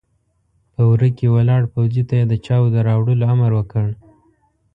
په وره کې ولاړ پوځي ته يې د چايو د راوړلو امر وکړ!